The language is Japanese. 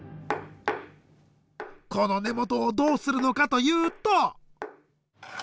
この根元をどうするのかというと。